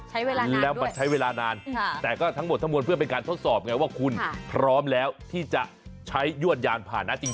ใช้เวลาแล้วมันใช้เวลานานแต่ก็ทั้งหมดทั้งมวลเพื่อเป็นการทดสอบไงว่าคุณพร้อมแล้วที่จะใช้ยวดยานผ่านนะจริง